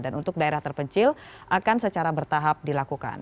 dan untuk daerah terpencil akan secara bertahap dilakukan